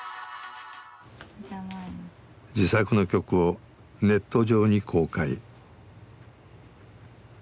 自作の曲をネット上に公開。